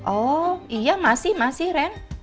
oh iya masih masih ren